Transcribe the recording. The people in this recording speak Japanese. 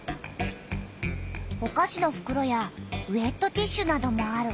おかしのふくろやウエットティッシュなどもある。